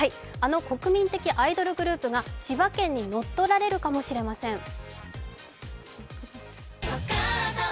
あの国民的アイドルグループが千葉県に乗っ取られるかもしれません。